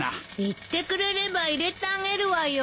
言ってくれれば入れてあげるわよ。